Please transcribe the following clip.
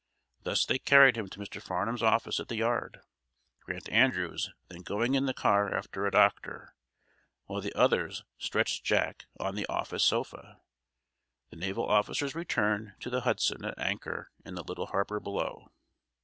Thus they carried him to Mr. Farnum's office at the yard, Grant Andrews then going in the car after a doctor, while the others stretched Jack on the office sofa. The naval officers returned to the "Hudson," at anchor in the little harbor below.